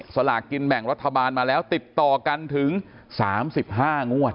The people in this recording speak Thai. สลากกินแบ่งรัฐบาลมาแล้วติดต่อกันถึง๓๕งวด